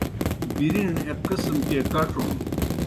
بِرِیݨ ایْک قسم کے کڇُن۔